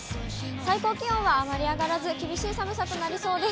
最高気温はあまり上がらず、厳しい寒さとなりそうです。